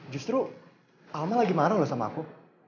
justru alma lagi marah loh sama aku